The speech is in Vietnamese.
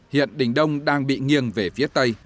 hiện đình đông đang bị nghiêng về phía tây